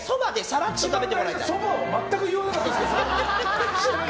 そばを全く言わなかったですね。